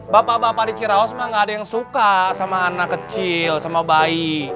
bapak bapak di ciraos mah nggak ada yang suka sama anak kecil sama bayi